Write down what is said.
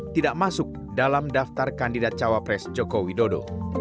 tidak masuk dalam daftar kandidat cawapres jokowi dodo